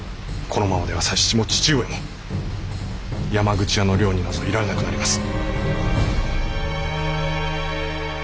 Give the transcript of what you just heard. このままでは佐七も義父上も山口屋の寮になぞ居られなくなります。